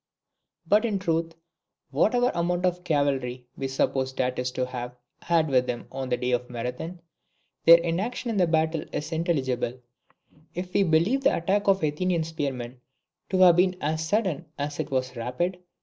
But, in truth, whatever amount of cavalry we suppose Datis to have had with him on the day of Marathon, their inaction in the battle is intelligible, if we believe the attack of the Athenian spearmen to have been as sudden as it was rapid.